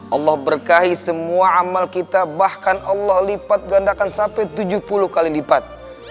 allah berkahi semua amal kita bahkan allah lipat gandakan sampai tujuh puluh kali lipat